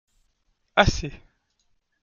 Assez.